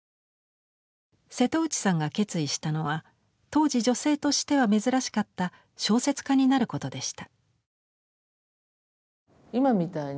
瀬戸内さんが決意したのは当時女性としては珍しかった小説家になることでした。